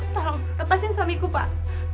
tolong lepasin suamiku pak